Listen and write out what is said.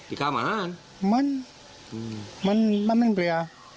อีก๙หมา๕อันมันมันมันเปลี่ยน